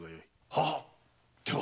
ははっでは。